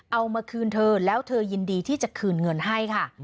เอามาคืนเธอแล้วเธอยินดีที่จะคืนเงินให้ค่ะ